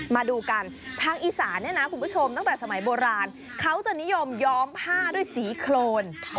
มาดูกันทางอีสานเนี่ยนะคุณผู้ชมตั้งแต่สมัยโบราณเขาจะนิยมย้อมผ้าด้วยสีโครน